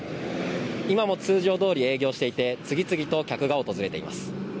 今も通常どおり営業していて次々と客が訪れています。